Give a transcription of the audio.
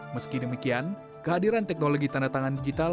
meski demikian kehadiran teknologi tanda tangan digital